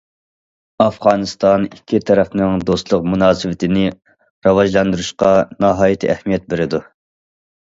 ئافغانىستان ئىككى تەرەپنىڭ دوستلۇق مۇناسىۋىتىنى راۋاجلاندۇرۇشقا ناھايىتى ئەھمىيەت بېرىدۇ.